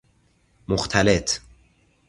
مختلط